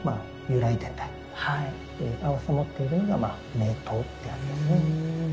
由来伝来を併せ持ってるのが名刀ってやつですね。